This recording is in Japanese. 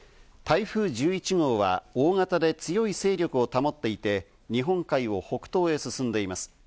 台風１１号は大型で強い勢力を保っていて、日本海を北東へ進んでいます。